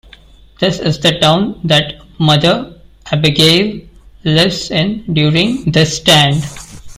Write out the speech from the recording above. This is the town that Mother Abagail lives in during "The Stand".